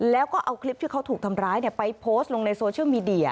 แล้วก็เอาคลิปที่เขาถูกทำร้ายไปโพสต์ลงในโซเชียลมีเดีย